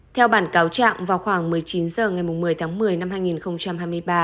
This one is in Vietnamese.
theo bản cáo trạng vào khoảng một mươi chín h ngày một mươi tháng một mươi năm hai nghìn hai mươi ba